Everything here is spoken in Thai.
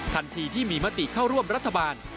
ทันทีที่มีมติเข้าร่วมรัฐบาล